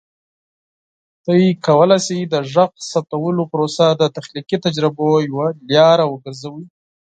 تاسو کولی شئ د غږ ثبتولو پروسه د تخلیقي تجربو یوه لاره وګرځوئ.